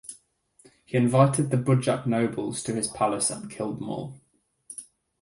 He invited the Budjak nobles to his palace and killed them all.